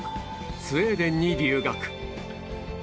スウェーデンに留学